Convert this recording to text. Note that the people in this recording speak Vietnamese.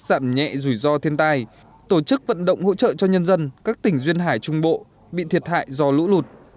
giảm nhẹ rủi ro thiên tai tổ chức vận động hỗ trợ cho nhân dân các tỉnh duyên hải trung bộ bị thiệt hại do lũ lụt